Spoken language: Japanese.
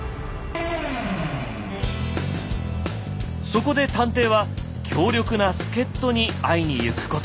そこで探偵は強力な助っ人に会いに行くことに。